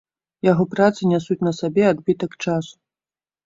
Яго працы нясуць на сабе адбітак часу.